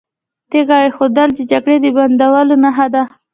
تیږه ایښودل د جګړې د بندولو نښه ده.